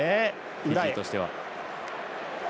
フィジーとしては。